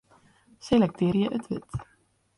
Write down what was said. Selektearje it wurd.